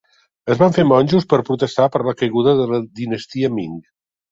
Es van fer monjos per protestar per la caiguda de la dinastia Ming.